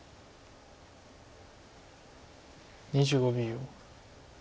２５秒。